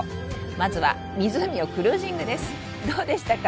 まずは湖をクルージングですどうでしたか？